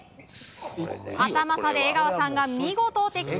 アタマ差で江川さんが見事的中。